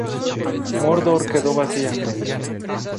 Mordor quedó vacía.